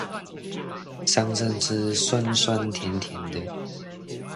桑椹汁酸酸甜甜的